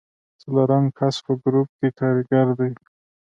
څلورم کس په ګروپ کې کاریګر دی.